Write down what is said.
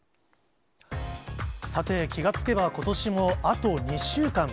さて、気が付けば、ことしもあと２週間。